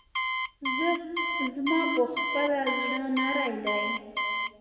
زما پخپله زړه نری دی.